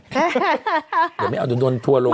เดี๋ยวไม่เอาดนตัวลง